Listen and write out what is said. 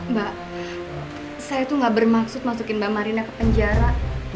mbak saya tuh gak bermaksud masukin mbak marina ke penjara